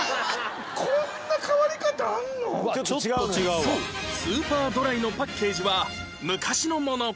そうスーパードライのパッケージは昔のもの